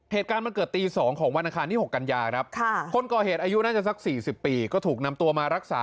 เหตุการณ์มันเกิดตี๒ของวันอังคารที่๖กันยาครับคนก่อเหตุอายุน่าจะสัก๔๐ปีก็ถูกนำตัวมารักษา